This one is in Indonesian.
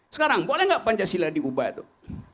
sekarang boleh gak pancasila diubah